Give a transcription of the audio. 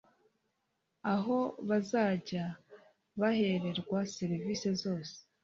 aho bazajya bahererwa serivisi zose